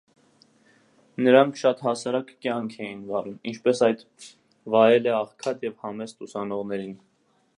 Նրանք շատ հասարակ կյանք էին վարում, ինչպես այդ վայել է աղքատ և համեստ ուսանողներին: